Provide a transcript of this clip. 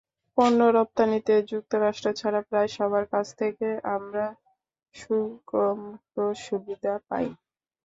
পণ্য রপ্তানিতে যুক্তরাষ্ট্র ছাড়া প্রায় সবার কাছ থেকে আমরা শুল্কমুক্ত সুবিধা পাই।